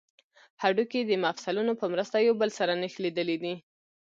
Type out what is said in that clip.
هډوکي د مفصلونو په مرسته یو بل سره نښلیدلي دي